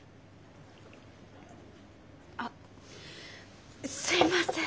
あすいません。